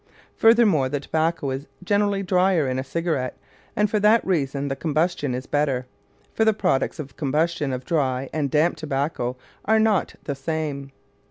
Furthermore, the tobacco is generally drier in a cigarette, and for that reason the combustion is better, for the products of the combustion of dry and damp tobacco are not the same.